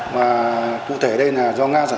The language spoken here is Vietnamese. và cụ thể đây là do nga giả truyền